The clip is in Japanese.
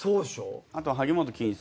あと萩本欽一さん。